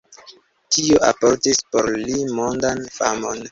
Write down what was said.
Tio alportis por li mondan famon.